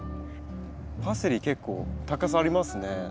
パセリ結構高さありますね。